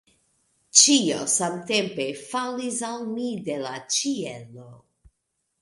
Ĉio samtempe falis al mi de la ĉielo.